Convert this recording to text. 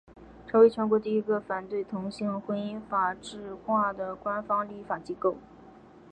成为全国第一个反对同性婚姻法制化的官方立法机构。